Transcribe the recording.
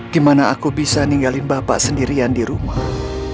gimana aku bisa ninggalin bapak sendirian di rumah